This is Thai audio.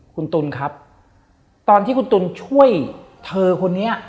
คุณตุ๋นครับตอนที่คุณตุ๋นช่วยเธอคนนี้